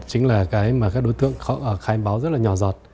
chính là cái mà các đối tượng khai báo rất là nhỏ giọt